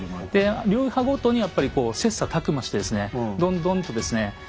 流派ごとにやっぱりこう切磋琢磨してですねどんどんとですね